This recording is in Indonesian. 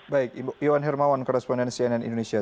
baik iwan hermawan korrespondensi nn indonesia